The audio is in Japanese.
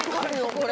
これ。